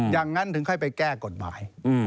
อย่างนั้นถึงค่อยไปแก้กฎหมาย